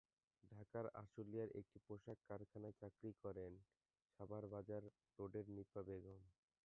ঢাকার আশুলিয়ার একটি পোশাক কারখানায় চাকরি করেন সাভার বাজার রোডের নিপা বেগম।